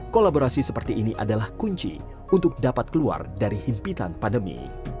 kolaborasi seperti ini adalah kunci untuk dapat keluar dari himpitan pandemi